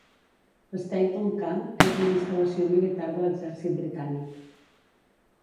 L'Stainton Camp és una instal·lació militar de l'Exèrcit Britànic.